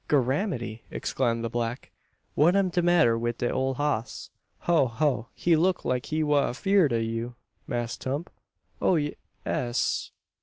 "Gorramity!" exclaimed the black, "what am de matter wif de ole hoss? Ho! ho! he look like he wa afeerd ob you, Mass Tump!" "Oh, ye es!"